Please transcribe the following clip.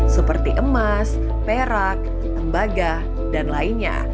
seperti emas perak tembaga dan lainnya